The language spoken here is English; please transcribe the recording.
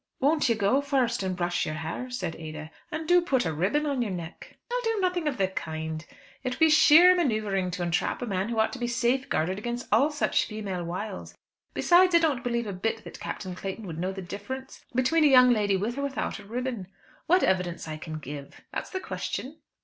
"Won't you go first and brush your hair?" said Ada; "and do put a ribbon on your neck." "I'll do nothing of the kind. It would be a sheer manoeuvring to entrap a man who ought to be safeguarded against all such female wiles. Besides, I don't believe a bit that Captain Clayton would know the difference between a young lady with or without a ribbon. What evidence I can give; that's the question."